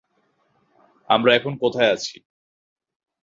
আমরা এখন কোথায় আছি?